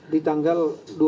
di tanggal dua puluh dua